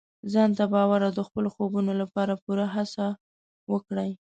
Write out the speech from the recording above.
ځان ته باور او د خپلو خوبونو لپاره پوره هڅه وکړئ.